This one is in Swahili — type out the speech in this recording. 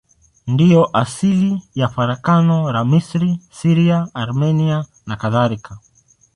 Ndiyo asili ya farakano la Misri, Syria, Armenia nakadhalika.